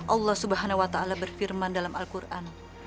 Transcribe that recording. allah subhanahu wa ta'ala berfirman dalam al quran